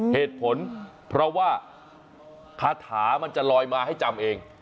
เหตุผลเพราะว่าคาถามันจะลอยมาให้จำเอง